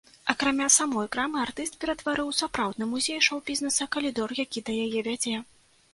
Акрамя самой крамы артыст ператварыў у сапраўдны музей шоў-бізнэса калідор, які да яе вядзе.